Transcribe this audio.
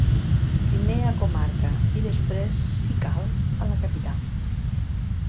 Primer a comarca i, després, si cal, a la capital.